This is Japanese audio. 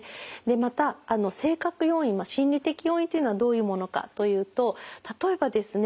また性格要因心理的要因というのはどういうものかというと例えばですね